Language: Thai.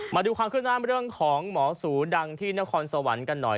มาดูความขึ้นหน้าเรื่องของหมอสูดังที่นครสวรรค์กันหน่อย